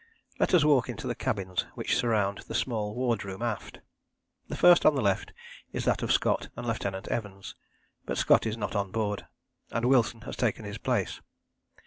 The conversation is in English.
Let us walk into the cabins which surround the small wardroom aft. The first on the left is that of Scott and Lieutenant Evans, but Scott is not on board, and Wilson has taken his place.